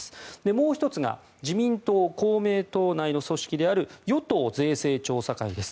もう１つが自民党、公明党内の組織である与党税制調査会です。